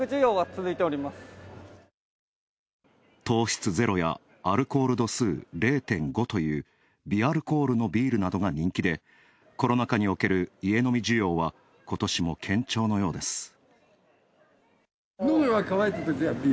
糖質ゼロやアルコール度数０．５という、微アルコールなどのビールが人気でコロナ禍における家飲み需要はことしも堅調のようです。